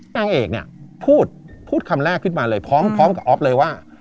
นางเอกพูดคำแรกขึ้นมาเลยพร้อมกับอ๊อฟเลยว่า